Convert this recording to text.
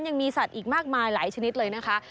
ยังมีสัตว์อีกมากมายหลายชนิดเลยนะคะ